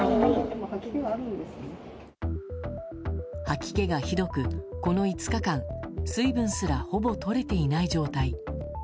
吐き気がひどく、この５日間水分すら、ほぼとれていない状態。